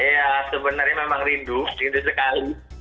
ya sebenarnya memang rindu rindu sekali